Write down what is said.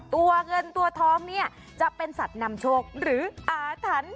ตัวเงินตัวทองเนี่ยจะเป็นสัตว์นำโชคหรืออาถรรพ์